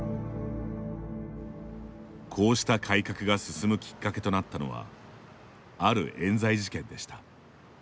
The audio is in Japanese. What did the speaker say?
こうした改革が進むきっかけとなったのはある、えん罪事件でした。